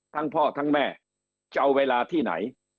ทั้งพ่อทั้งแม่จะเอาเวลาที่ไหน